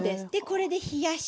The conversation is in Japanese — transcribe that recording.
これで冷やして。